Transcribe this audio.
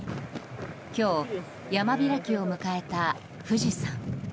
今日、山開きを迎えた富士山。